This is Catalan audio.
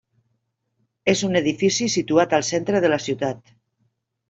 És un edifici situat al centre de la ciutat.